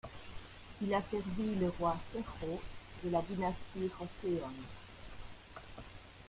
Il a servi le roi Sejo de la dynastie Joseon.